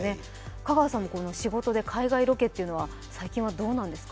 香川さんも仕事で海外ロケは最近はどうなんですか。